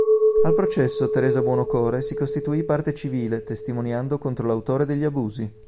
Al processo Teresa Buonocore si costituì parte civile testimoniando contro l'autore degli abusi.